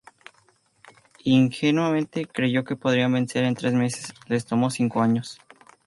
Ingenuamente, creyó que podrían vencer en tres meses; les tomó cinco años.